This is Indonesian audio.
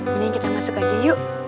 mending kita masuk aja yuk